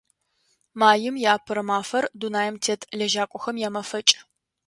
Маим и Апэрэ мафэр – дунаим тет лэжьакӀохэм ямэфэкӀ.